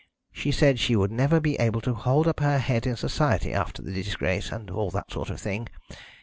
She said she would never be able to hold up her head in Society after the disgrace, and all that sort of thing.